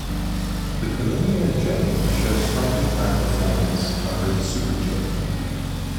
The Collinear J shows slightly higher performance over the Super-J.